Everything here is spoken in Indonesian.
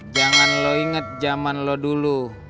jangan lo inget zaman lo dulu